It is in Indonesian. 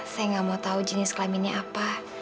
saya nggak mau tahu jenis kelaminnya apa